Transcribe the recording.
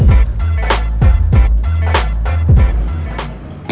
ada nasi nyangkut